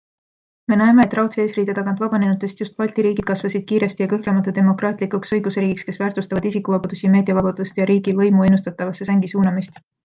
Me näeme, et raudse eesriide tagant vabanenutest just Balti riigid kasvasid kiiresti ja kõhklemata demokraatlikuks õigusriigiks, kes väärtustavad isikuvabadusi, meediavabadust ja riigi võimu ennustatavasse sängi suunamist.